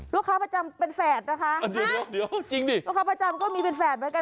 ลูกค้าประจำเป็นแฝดนะคะ